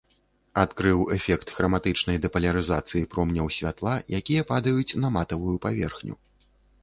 Адкрыў эфект храматычнай дэпалярызацыі промняў святла, якія падаюць на матавую паверхню.